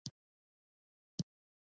اوس د یادونه افسانې ښکاري. د شلغمې ګله